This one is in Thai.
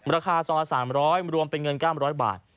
ราคาซองละ๓๐๐รวมเป็นเงิน๙๐๐บาท